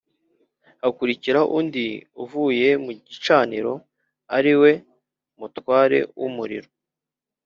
Hakurikiraho undi uvuye mu gicaniro ari we mutware w’umuriro,